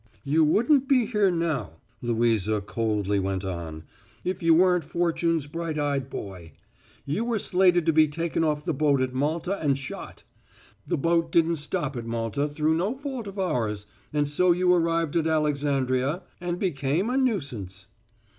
"You wouldn't be here now," Louisa coldly went on, "if you weren't fortune's bright eyed boy. You were slated to be taken off the boat at Malta and shot; the boat didn't stop at Malta through no fault of ours, and so you arrived at Alexandria and became a nuisance."